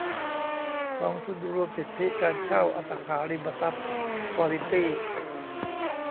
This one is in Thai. กองทุนรวมสิทธิการเช่าอสังหาริมทรัพย์ควอลิตี้